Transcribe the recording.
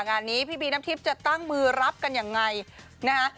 งานนี้พี่บีน้ำทิพย์จะตั้งมือรับกันยังไงนะฮะ